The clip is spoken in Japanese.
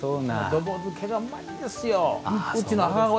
どぼ漬けがうまいんですよ。